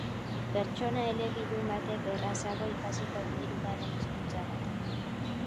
Pertsona elebidun batek errazago ikasiko du hirugarren hizkuntza bat.